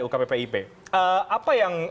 ukppip apa yang